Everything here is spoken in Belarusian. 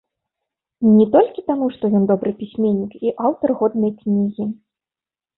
Не толькі таму, што ён добры пісьменнік і аўтар годнай кнігі.